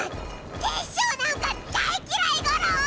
テッショウなんか大っきらいゴロ！